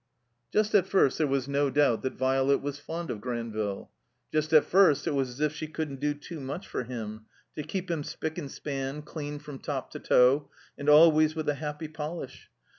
Just at first there was no doubt that Violet was fond of Granville. Just at first it was as if she couldn't do too much for him, to keep him spick and span, clean from top to toe, and always with a happy polish.